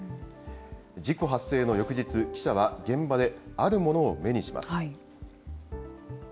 事故発生の翌日、記者は現場であるものを目にします。